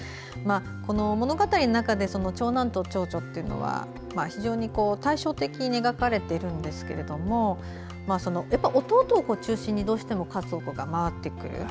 物語の中で長男と長女というのは非常に対照的に描かれているんですが弟を中心にどうしても家族が回ってくる。